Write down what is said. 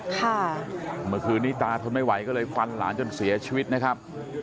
เมื่อคืนนี้ตาทนไม่ไหวก็เลยฟันหลานจนเสียชีวิตนะครับ